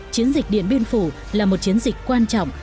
chiến dịch điện biên phủ là một chiến dịch quan trọng